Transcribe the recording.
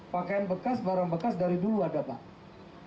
pakaian bekas barang bekas dari dulu ada pak